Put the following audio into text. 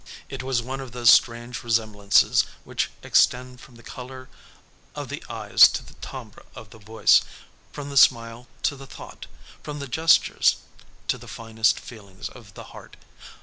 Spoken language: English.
It was one of those strange resemblances which extend from the color of the eyes to the 'timbre' of the voice, from the smile to the thought, from the gestures to the finest feelings of the heart.